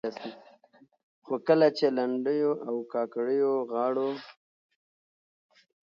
خو کله چې لنډيو او کاکړيو غاړو